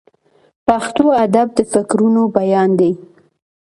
پښتو ادب د فکرونو بیان دی.